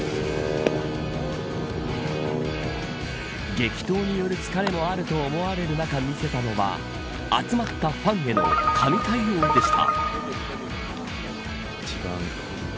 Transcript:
激闘による疲れもあると思われる中、見せたのは集まったファンへの神対応でした。